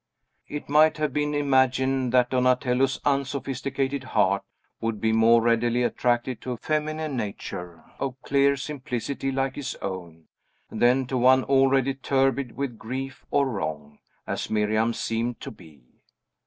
It might have been imagined that Donatello's unsophisticated heart would be more readily attracted to a feminine nature of clear simplicity like his own, than to one already turbid with grief or wrong, as Miriam's seemed to be.